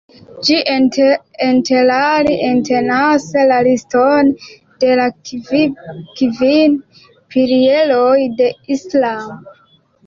Ĝi interalie entenas la liston de la kvin pilieroj de Islamo.